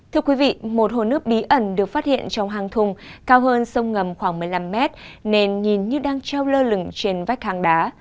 thưa quý vị một hồ nước bí ẩn được phát hiện trong hang thùng cao hơn sông ngầm khoảng một mươi năm mét nên nhìn như đang treo lơ lửng trên vách hàng đá